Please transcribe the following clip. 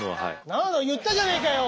何だ言ったじゃねえかよ！